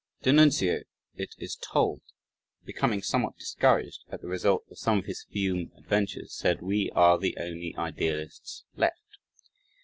d'Annunzio, it is told, becoming somewhat discouraged at the result of some of his Fiume adventures said: "We are the only Idealists left."